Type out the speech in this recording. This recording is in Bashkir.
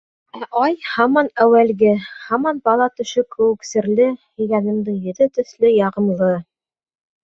Ә Ай һаман әүәлге, һаман бала төшө кеүек серле, һөйгәнемдең йөҙө төҫлө яғымлы...